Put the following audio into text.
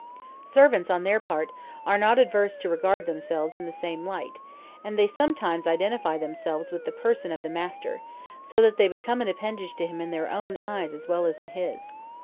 Servants, on their part, are not averse to regard themselves in the same light; and they sometimes identify themselves with the person of the master, so that they become an appendage to him in their own eyes as well as in his.